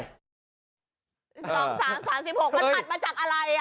๒๓๓๖มันถัดมาจากอะไร